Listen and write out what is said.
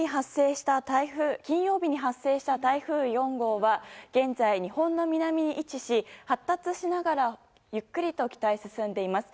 金曜日に発生した台風４号は現在、日本の南に位置し発達しながらゆっくりと北へ進んでいます。